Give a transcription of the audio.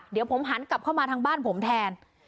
เดี๋ยวผมหันกลับเข้ามาทางบ้านผมแทน